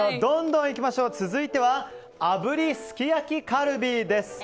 続いては炙りすき焼きカルビです。